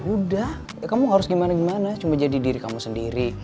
udah kamu harus gimana gimana cuma jadi diri kamu sendiri